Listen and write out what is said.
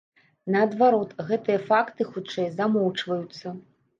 Наадварот, гэтыя факты хутчэй замоўчваюцца.